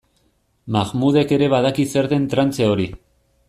Mahmudek ere badaki zer den trantze hori.